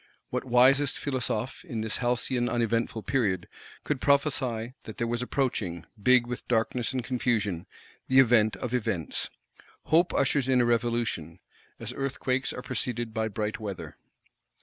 —What wisest Philosophe, in this halcyon uneventful period, could prophesy that there was approaching, big with darkness and confusion, the event of events? Hope ushers in a Revolution,—as earthquakes are preceded by bright weather.